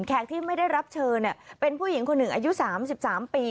ที่ไม่ได้รับเชิญเป็นผู้หญิงคนหนึ่งอายุ๓๓ปี